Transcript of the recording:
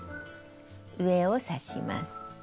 上を刺します。